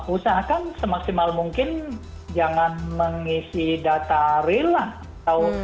usahakan semaksimal mungkin jangan mengisi data real lah atau